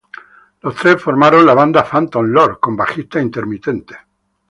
Los tres formaron la banda Phantom Lord, con bajistas intermitentes.